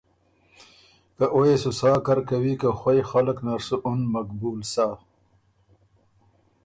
که او يې سُو سا کر کوی که خوئ خلق نر سُو اُن مقبول سَۀ۔